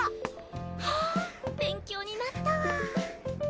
はぁ勉強になったわ